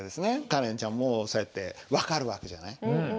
カレンちゃんもそうやって分かる訳じゃない？